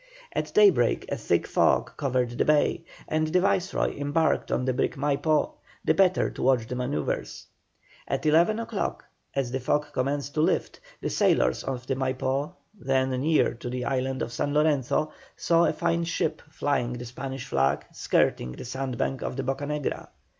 At daybreak a thick fog covered the bay, and the Viceroy embarked on the brig Maipo, the better to watch the manœuvres. At eleven o'clock, as the fog commenced to lift, the sailors of the Maipo, then near to the island of San Lorenzo, saw a fine ship flying the Spanish flag skirting the sandbank of the Bocanegra.